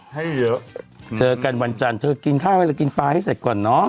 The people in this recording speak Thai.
ให้เยอะเจอกันวันจันทร์เธอกินข้าวเวลากินปลาให้เสร็จก่อนเนอะ